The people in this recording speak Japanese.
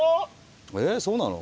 えそうなの？